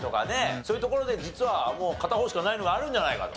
そういう所で実は片方しかないのがあるんじゃないかと。